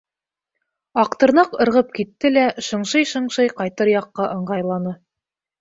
Аҡтырнаҡ ырғып китте лә шыңшый-шыңшый ҡайтыр яҡҡа ыңғайланы.